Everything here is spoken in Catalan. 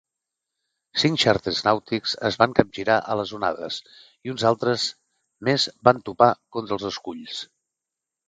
Cinc xàrters nàutics es van capgirar a les onades i uns altres més van topar contra els esculls.